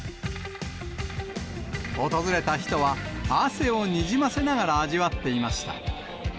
訪れた人は汗をにじませながら味わっていました。